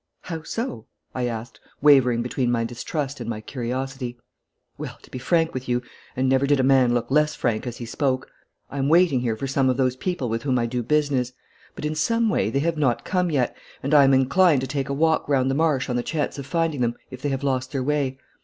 'How so?' I asked, wavering between my distrust and my curiosity. 'Well, to be frank with you' and never did a man look less frank as he spoke 'I am waiting here for some of those people with whom I do business; but in some way they have not come yet, and I am inclined to take a walk round the marsh on the chance of finding them, if they have lost their way.